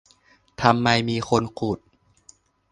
ทำไมมีคนขุด